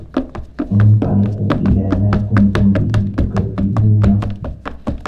انطَلِقوا إِلى ما كُنتُم بِهِ تُكَذِّبونَ